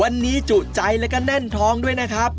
วันนี้จุใจแล้วก็แน่นท้องด้วยนะครับ